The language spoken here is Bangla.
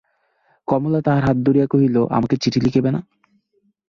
কমলা তাহার হাত ধরিয়া কহিল, আমাকে চিঠি লিখিবে না?